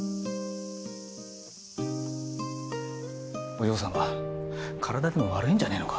お嬢様体でも悪いんじゃねえのか？